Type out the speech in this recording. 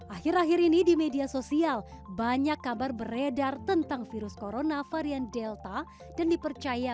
akhir akhir ini di media sosial banyak kabar beredar tentang virus corona varian delta dan dipercaya